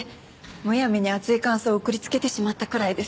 むやみに熱い感想を送りつけてしまったくらいです。